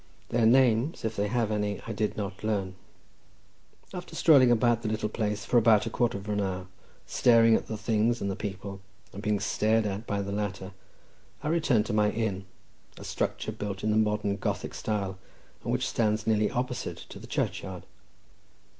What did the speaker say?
Their names, if they have any, I did not learn. After strolling about the little place for about a quarter of an hour, staring at the things and the people, and being stared at by the latter, I returned to my inn, a structure built in the modern Gothic style, and which stands nearly opposite to the churchyard.